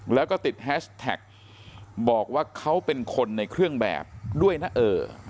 แล้วก็ติดแฮชแท็กบอกว่าเขาเป็นคนในเครื่องแบบด้วยนะเออ